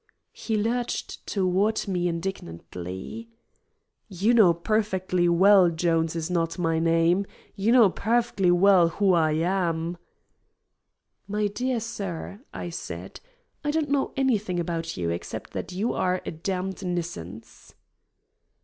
He lurched toward me indignantly. "You know perfec'ly well Jones is not my name. You know perfec'ly well who I am." "My dear sir," I said, "I don't know anything about you, except that your are a damned nuisance."